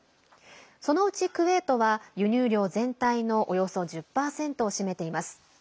そのうちクウェートは輸入量全体のおよそ１０％を占めています。